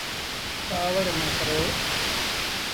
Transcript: ڪآوڙ نا ڪرو۔